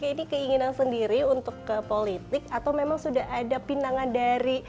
ini keinginan sendiri untuk ke politik atau memang sudah ada pinangan dari